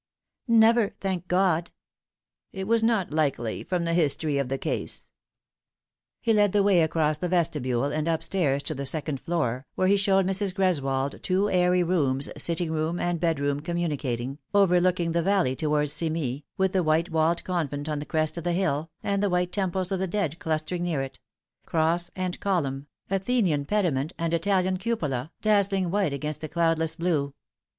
" Never, thank God !"" It was not likely, from the history of the case." He led the way across a vestibule and up stairs to the second floor, where he showed Mrs. Greswold two airy rooms, sitting room and bedroom communicating, overlooking the valley towards Cimies, with the white walled convent on the crest of the hill, and the white temples of the dead clustering near it ; cross and column, Athenian pediment and Italian cupola, dazzling white against the cloudless blue.